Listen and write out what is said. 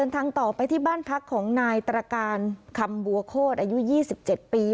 ทางต่อไปที่บ้านพักของนายตรการคำบัวโคตรอายุ๒๗ปี